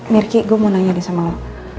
mirky gue mau nanya deh sama lo